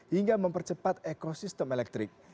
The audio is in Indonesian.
hingga mempercepat ekosistem elektrik